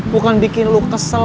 bukan bikin lo kesel